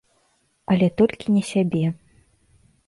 Але толькі не сябе.